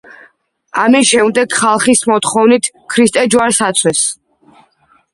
ამის შემდეგ, ხალხის მოთხოვნით, ქრისტე ჯვარს აცვეს.